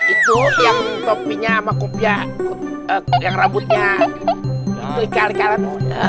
itu yang topinya sama kupiah yang rambutnya itu ikan ikan